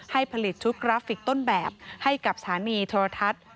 ผลิตชุดกราฟิกต้นแบบให้กับสถานีโทรทัศน์